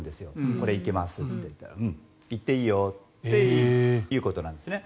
これ、行きますといったらうん、行っていいよっていうことなんですね。